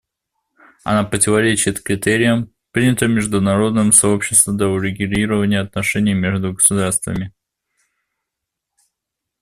Она противоречит критериям, принятым международным сообществом для урегулирования отношений между государствами.